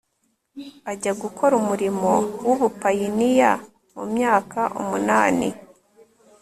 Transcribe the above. ajya gukora umurimo w ubupayiniya Mu myaka umunani